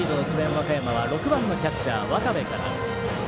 和歌山は６番のキャッチャー、渡部から。